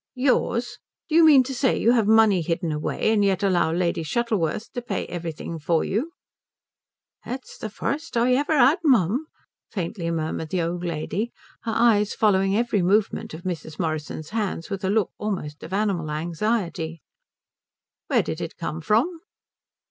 "Yours? Do you mean to say you have money hidden away and yet allow Lady Shuttleworth to pay everything for you?" "It's the first I ever 'ad, mum," faintly murmured the old lady, her eyes following every movement of Mrs. Morrison's hands with a look of almost animal anxiety. "Where did it come from?"